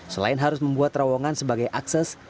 selain harus membuat terowongan sebagai akses